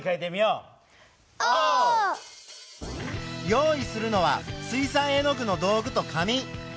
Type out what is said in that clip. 用意するのは水さい絵の具の道具と紙。